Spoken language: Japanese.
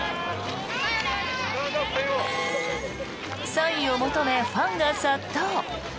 サインを求め、ファンが殺到。